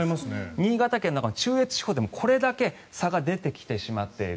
新潟県の中越地方でもこれだけ差が出てきてしまっている。